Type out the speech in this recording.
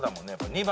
２番。